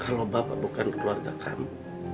kalau bapak bukan keluarga kami